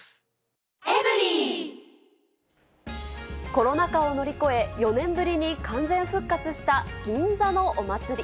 コロナ禍を乗り越え、４年ぶりに完全復活した銀座のお祭り。